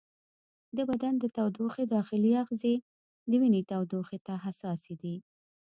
د بدن د تودوخې داخلي آخذې د وینې تودوخې ته حساسې دي.